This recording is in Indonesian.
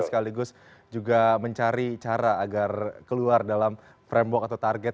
sekaligus juga mencari cara agar keluar dalam framework atau target